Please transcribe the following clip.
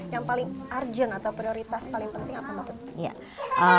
yang paling urgent atau prioritas paling penting apa menurut